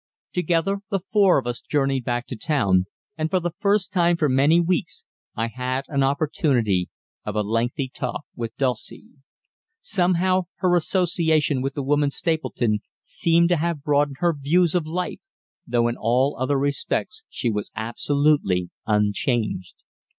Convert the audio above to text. Together the four of us journeyed back to town, and for the first time for many weeks I had an opportunity of a lengthy talk with Dulcie. Somehow her association with the woman Stapleton seemed to have broadened her views of life, though in all other respects she was absolutely unchanged.